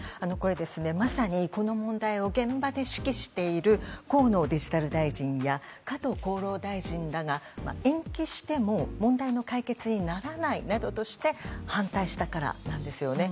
まさにこの問題を現場で指揮している河野デジタル大臣や加藤厚労大臣らが、延期しても問題の解決にならないなどとして反対したからなんですよね。